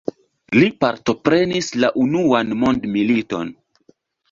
Li partoprenis la unuan mondmiliton.